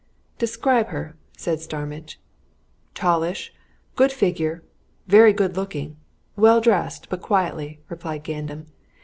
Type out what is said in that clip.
"Describe her," said Starmidge. "Tallish, very good figure, very good looking, well dressed, but quietly," replied Gandam.